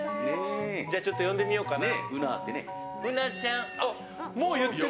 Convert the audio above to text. じゃあ、ちょっと呼んでみようかな。